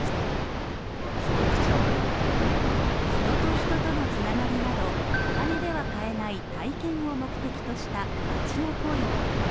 人と人とのつながりなどお金では買えない体験を目的とした、まちのコイン。